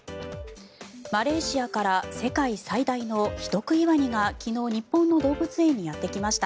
マレーシアから世界最大の人食いワニが昨日、日本の動物園にやってきました。